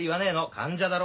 患者だろ。